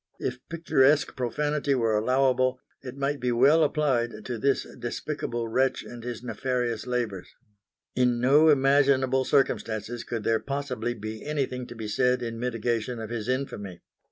If picturesque profanity were allowable, it might be well applied to this despicable wretch and his nefarious labours. In no imaginable circumstances could there possibly be anything to be said in mitigation of his infamy.